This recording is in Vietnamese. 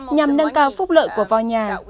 nhằm nâng cao phúc lợi của voi nhà